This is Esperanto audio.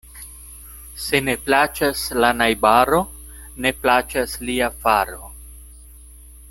Se ne plaĉas la najbaro, ne plaĉas lia faro.